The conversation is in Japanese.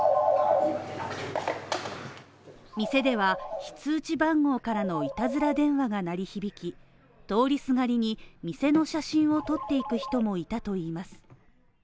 店では非通知番号からのいたずら電話が鳴り響き通りすがりに、店の写真を撮っていく人もいたといいます。